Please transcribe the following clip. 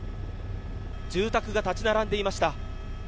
住宅が立ち並んでしました。